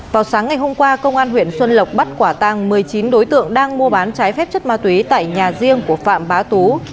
vào sáng ngày hôm qua công an huyện xuân lộc bắt quả tàng một mươi chín đối tượng đang mua bán trái phép chất ma túy tại nhà riêng của phạm bá tú